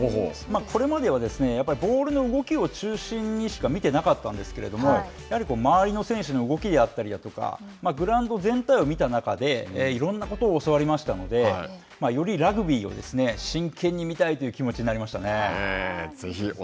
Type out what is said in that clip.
これまではボールの動きを中心にしか見てなかったんですけれども、周りの選手の動きであったりとかグラウンド全体を見た中でいろんなことを教わりましたのでよりラグビーを真剣に見たいという気持ちになりましたね。